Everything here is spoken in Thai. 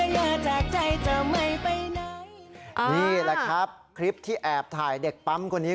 นี่แหละครับคลิปที่แอบท่ายเด็กปั๊มคนนี้